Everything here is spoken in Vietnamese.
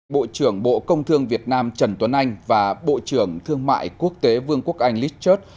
bộ trưởng bộ công thương việt nam trần tuấn anh và bộ trưởng thương mại quốc tế vương quốc anh lith church